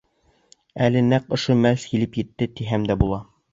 Әле нәҡ ошо мәл килеп етте, тиһәм дә була.